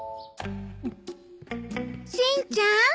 しんちゃん？